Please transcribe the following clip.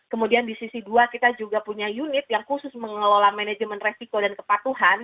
kemudian di sisi dua kita juga punya unit yang khusus mengelola manajemen resiko dan kepatuhan